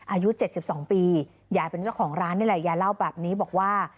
อายุ๗๒ปียายเป็นเจ้าของร้านนี่แหละยายเล่าแบบนี้บอกว่า